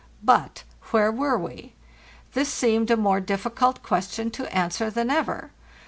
But where were we? This seemed a more difficult ques tion to answer than ever.